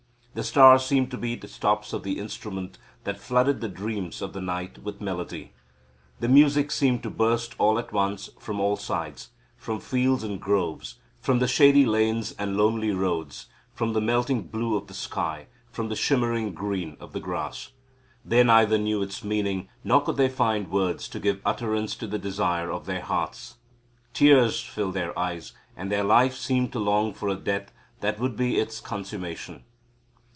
The stars seemed to be the stops of the instrument that flooded the dreams of the night with melody. The music seemed to burst all at once from all sides, from fields and groves, from the shady lanes and lonely roads, from the melting blue of the sky, from the shimmering green of the grass. They neither knew its meaning nor could they find words to give utterance to the desire of their hearts. Tears filled their eyes, and their life seemed to long for a death that would be its consummation.